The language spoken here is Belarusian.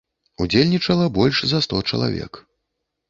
Удзельнічала больш за сто чалавек.